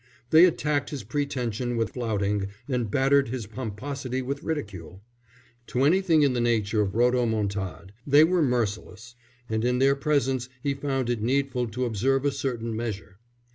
They attacked his pretension with flouting and battered his pomposity with ridicule. To anything in the nature of rhodomontade they were merciless, and in their presence he found it needful to observe a certain measure.